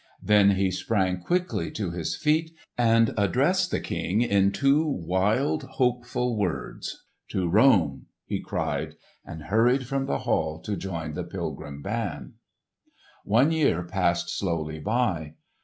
Then he sprang quickly to his feet and addressed the King in two wild, hopeful words. "To Rome!" he cried, and hurried from the hall to join the pilgrim band. One year passed slowly by.